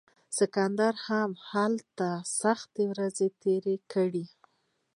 سکندر هم دلته سختې ورځې تیرې کړې